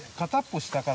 下から。